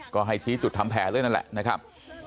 ก็ให้ชี้จุดทำแผนด้วยนั่นแหละนะครับ